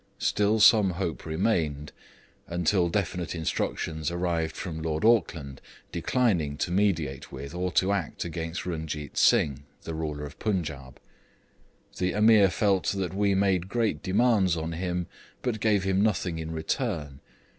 Still some hope remained, until definite instructions arrived from Lord Auckland declining to mediate with or to act against Runjeet Singh, the ruler of the Punjaub. The Ameer felt that we made great demands on him but gave him nothing in return.